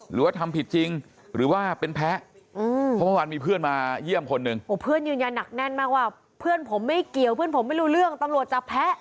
หรือว่าทำผิดจริงหรือว่าเป็นแพ้เพราะเมื่อวานมีเพื่อนมาเยี่ยมคนหนึ่งเพื่อนยืนยันหนักแน่นมากว่าเพื่อนผมไม่เกี่ยวเพื่อนผมไม่รู้เรื่องตำรวจจับแพ้